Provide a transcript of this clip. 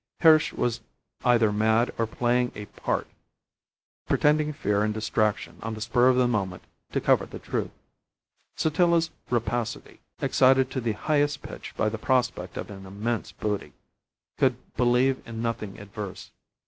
Hirsch was either mad or playing a part pretending fear and distraction on the spur of the moment to cover the truth. Sotillo's rapacity, excited to the highest pitch by the prospect of an immense booty, could believe in nothing adverse.